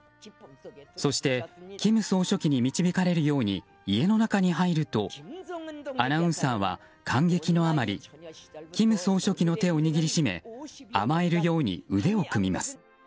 そして金総書記に導かれるように家の中に入るとアナウンサーは感激のあまり金総書記の手を握り締め甘えるように腕を組みます。